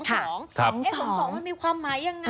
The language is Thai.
๒๒มันมีความหมายยังไง